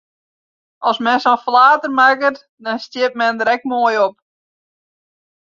As men sa'n flater makket, dan stiet men der ek moai op!